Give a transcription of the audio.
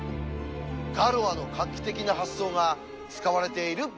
ガロアの画期的な発想が使われている部分なんです。